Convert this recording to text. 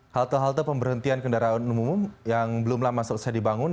halte halte pemberhentian kendaraan umum yang belum lama selesai dibangun